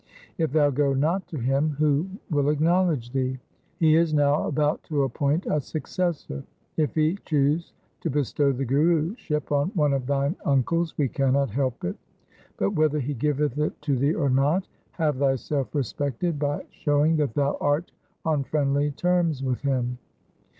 If thou go not to him, who will acknowledge thee ? He is now about to appoint a successor. If he choose to bestow the Guruship on one of thine uncles, we cannot help it. But whether he giveth it to thee or not, have thyself respected by showing that thou art on friendly terms with him.'